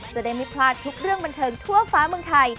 จะได้ไม่พลาดทุกเรื่องบันเทิงทั่วฟ้าเมืองไทย